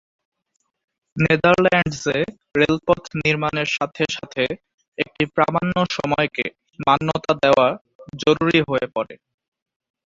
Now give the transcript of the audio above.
নেদারল্যান্ডসে রেলপথ নির্মাণের সাথে সাথে একটি প্রামাণ্য সময়কে মান্যতা দেওয়া জরুরি হয়ে পরে।